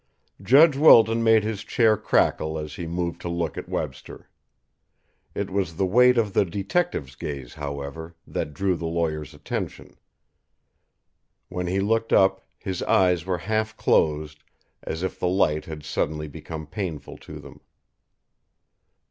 Judge Wilton made his chair crackle as he moved to look at Webster. It was the weight of the detective's gaze, however, that drew the lawyer's attention; when he looked up, his eyes were half closed, as if the light had suddenly become painful to them.